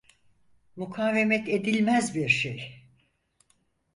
Mukavemet edilmez bir şey!